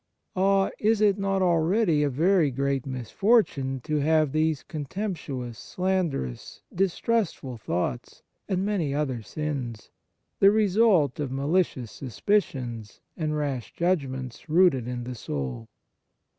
Ah ! is it not already a very great misfortune to have these contemptuous, slanderous, distrustful thoughts, and many other sins, the result of malicious suspicions and rash judgments, rooted in the soul